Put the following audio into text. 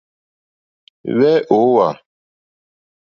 Wɛ̄ ǒ wàà.